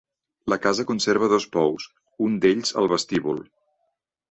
La casa conserva dos pous, un d'ells al vestíbul.